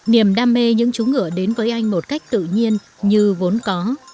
niềm đam mê những chú ngựa đến với anh một cách tự nhiên như vốn có